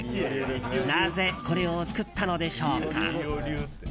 なぜ、これを作ったのでしょうか。